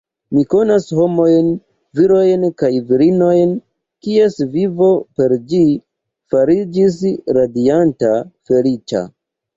Mi konas homojn, virojn kaj virinojn, kies vivo per ĝi fariĝis radianta, feliĉa.